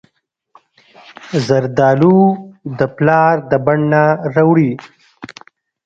زردالو د پلار د بڼ نه راوړي.